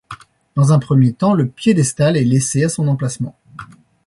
Dans un premier temps, le piédestal est laissé à son emplacement.